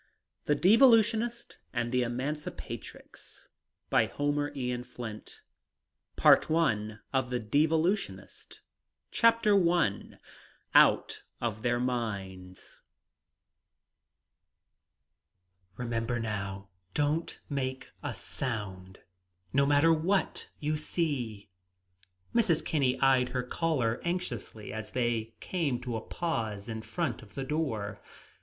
THE DEVOLUTIONIST And THE EMANCIPATRIX By Homer Eon Flint I OUT OF THEIR MINDS "Remember, now; don't make a sound, no matter what you see!" Mrs. Kinney eyed her caller anxiously as they came to a pause in front of the door.